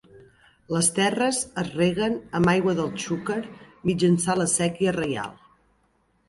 Les terres es reguen amb aigua del Xúquer mitjançant la Séquia Reial.